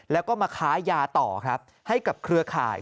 แล้วก็มาค้ายาต่อครับให้กับเครือข่าย